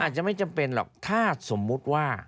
อาจจะไม่จำเป็นหรอกถ้าสมมุติว่า